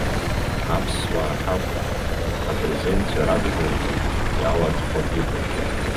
Аԥсуаа ҳакәым, абырзенцәа ракәзаргьы иалаҽхәартә иҟоуп.